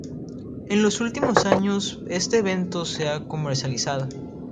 En los últimos años este evento se ha comercializado.